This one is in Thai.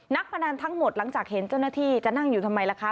พนันทั้งหมดหลังจากเห็นเจ้าหน้าที่จะนั่งอยู่ทำไมล่ะคะ